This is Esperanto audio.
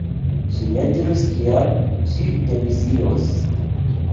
Ŝi ne diris kial ŝi demisios.